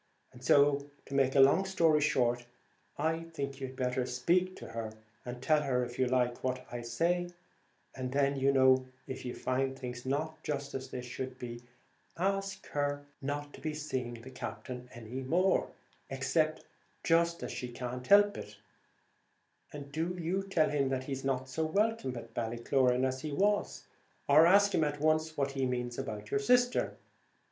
And so, to make a long story short, I think you'd better just speak to her, and tell her, if you like, what I say; and then, you know, if you find things not just as they should be, ask her not to be seeing the Captain any more, except just as she can't help; and do you tell him that he's not so welcome at Ballycloran as he was, or ask him at once what he means about your sister.